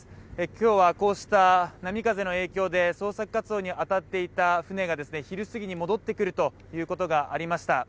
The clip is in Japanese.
今日はこうした波風の影響で捜索活動に当たっていた船が昼過ぎに戻ってくるということがありました。